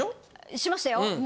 しましたよ。